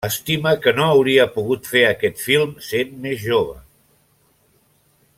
Estima que no hauria pogut fer aquest film sent més jove.